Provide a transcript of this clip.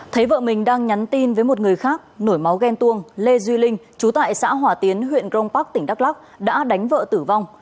thấy vợ mình đang nhắn tin với một người khác nổi máu ghen tuông lê duy linh chú tại xã hòa tiến huyện grong park tỉnh đắk lắc đã đánh vợ tử vong